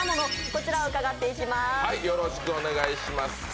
こちらを伺っていきます。